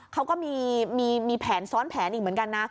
เขาก็มีแผนซ้อนแผนอีกเหมือนกันนะ